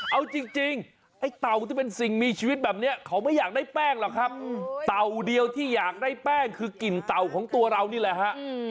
เอาจริงไอ้เต่าที่เป็นสิ่งมีชีวิตแบบนี้เขาไม่อยากได้แป้งหรอกครับเต่าเดียวที่อยากได้แป้งคือกลิ่นเต่าของตัวเรานี่แหละฮะ